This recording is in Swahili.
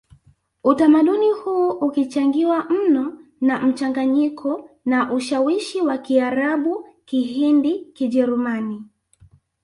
Utamaduni huu ukichangiwa mno na mchanganyiko na ushawishi wa Kiarabu Kihindi Kijerumani